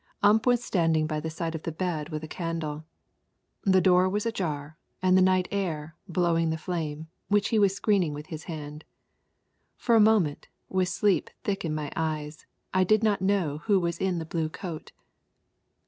Ump was standing by the side of the bed with a candle. The door was ajar and the night air blowing the flame, which he was screening with his hand. For a moment, with sleep thick in my eyes, I did not know who it was in the blue coat.